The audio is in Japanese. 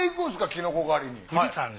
キノコ狩りに。